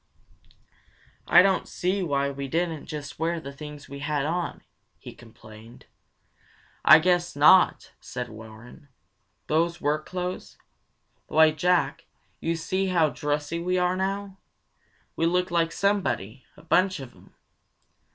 "I don't see why we didn't just wear the things we had on," he complained. "I guess not!" said Warren. "Those work clothes? Why, Jack, see how dressy we are now! We look like somebody; a bunch of 'em!